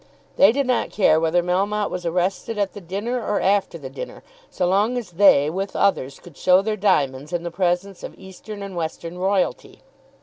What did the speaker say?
They did not care whether Melmotte was arrested at the dinner or after the dinner, so long as they, with others, could show their diamonds in the presence of eastern and western royalty.